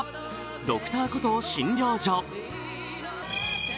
「Ｄｒ．コトー診療所」。